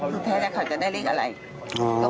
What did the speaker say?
มีแท้และขัดจะได้เลขอะไร